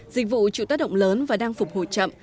dịch vụ chịu tác động lớn và đang phục hồi chậm